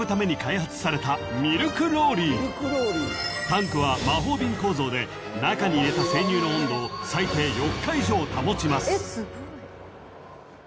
［タンクは魔法瓶構造で中に入れた生乳の温度を最低４日以上保ちます］